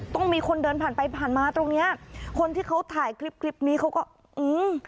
ต้องมีคนเดินผ่านไปผ่านมาตรงเนี้ยคนที่เขาถ่ายคลิปคลิปนี้เขาก็อื้อ